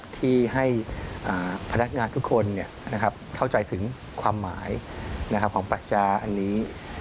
ที่ให้พนักงานทุกคนเข้าใจถึงความหมายของปัชญาอันนี้